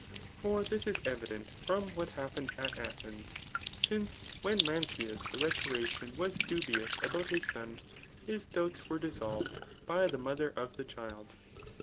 For this is evident from what happened at Athens ; since when Mantias the rhetorician was dubious about his son, his doubts were dissolved by the mother of the child.